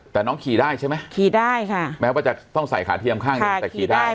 แต่น้องขี่ได้ใช่ไหมขี่ได้ค่ะแม้ว่าจะต้องใส่ขาเทียมข้างหนึ่งแต่ขี่ได้